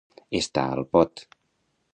Estar al pot.